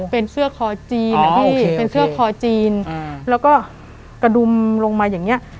เป็นเสื้อคอจีนนะพี่เป็นเสื้อคอจีนแล้วก็กระดุมลงมาอย่างเงี้ย